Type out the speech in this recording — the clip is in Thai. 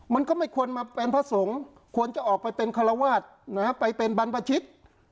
มันก็ไม่ควรมาเป็นพระสงฆ์ควรจะออกไปเป็นคารวาสไปเป็นบรรพชิต